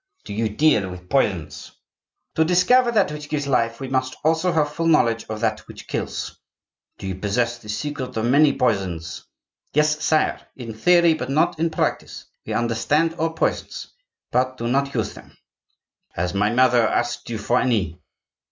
"Do you deal with poisons?" "To discover that which gives life, we must also have full knowledge of that which kills." "Do you possess the secret of many poisons?" "Yes, sire,—in theory, but not in practice. We understand all poisons, but do not use them." "Has my mother asked you for any?"